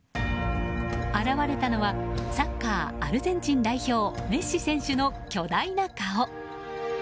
現れたのはサッカー、アルゼンチン代表メッシ選手の巨大な顔。